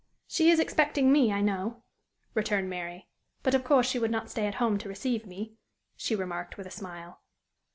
"She is expecting me, I know," returned Mary; "but of course she would not stay at home to receive me," she remarked, with a smile.